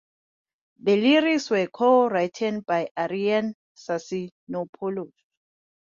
The lyrics were co-written by Arianna Stassinopoulos.